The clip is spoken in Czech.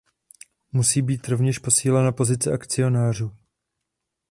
Musí být rovněž posílena pozice akcionářů.